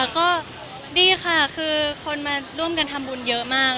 ก็ดีค่ะคือคนมาร่วมกันทำบุญเยอะมาก